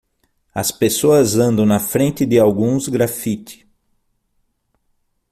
As pessoas andam na frente de alguns graffiti.